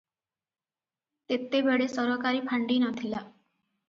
ତେତେବେଳେ ସରକାରୀ ଫାଣ୍ଡି ନ ଥିଲା ।